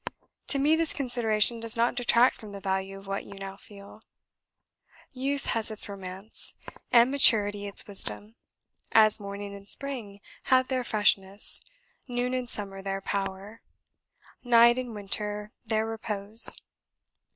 To me this consideration does not detract from the value of what you now feel. Youth has its romance, and maturity its wisdom, as morning and spring have their freshness, noon and summer their power, night and winter their repose.